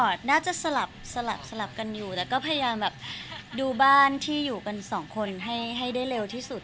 ก็น่าจะสลับสลับสลับกันอยู่แล้วก็พยายามแบบดูบ้านที่อยู่กันสองคนให้ได้เร็วที่สุด